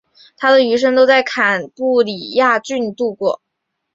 他的余生都在坎布里亚郡度过。